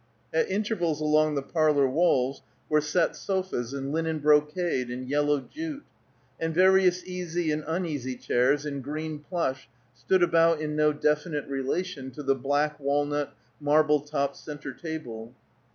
At intervals along the parlor walls were set sofas in linen brocade and yellow jute; and various easy and uneasy chairs in green plush stood about in no definite relation to the black walnut, marble topped centre table.